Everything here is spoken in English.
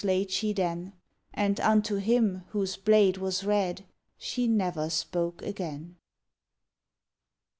laid she then; And unto him whose blade was red She never spoke again.